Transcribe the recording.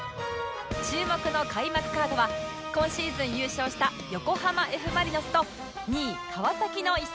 注目の開幕カードは今シーズン優勝した横浜 Ｆ ・マリノスと２位川崎の一戦